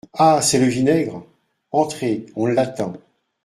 Ah ! c’est le vinaigre ?… entrez, on l’attend.